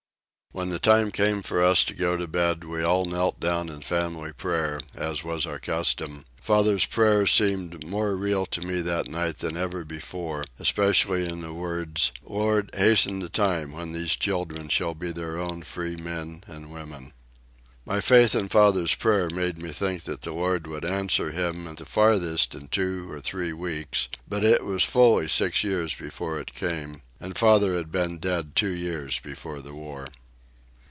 When the time came for us to go to bed we all knelt down in family prayer, as was our custom; father's prayer seemed more real to me that night than ever before, especially in the words, "Lord, hasten the time when these children shall be their own free men and women." My faith in father's prayer made me think that the Lord would answer him at the farthest in two or three weeks, but it was fully six years before it came, and father had been dead two years before the war.